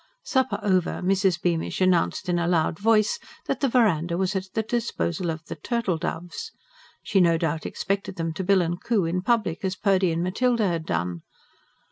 Supper over, Mrs. Bearnish announced in a loud voice that the verandah was at the disposal of the "turtle doves." She no doubt expected them to bill and coo in public, as Purdy and Matilda had done.